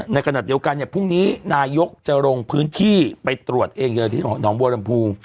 ในกณะเดียวกันพรุ่งนี้นายกกอลงพื้นที่ไปตรวจเองเลยที่หลอมบัวเรมพู